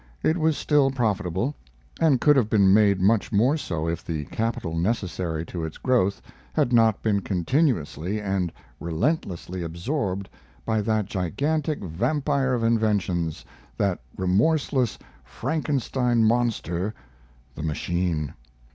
It was still profitable, and could have been made much more so if the capital necessary to its growth had not been continuously and relentlessly absorbed by that gigantic vampire of inventions that remorseless Frankenstein monster the machine.